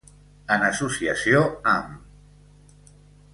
En associació amb.